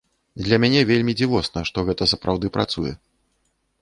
Для мяне вельмі дзівосна, што гэта сапраўды працуе.